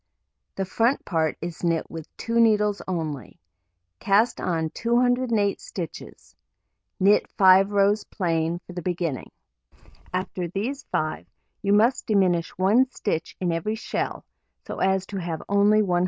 The front part is knit with 2 needles only. Cast on 208 stitches, knit 5 rows plain for the beginning. After these 5, you must diminish 1 stitch in every shell, so as to have only 192.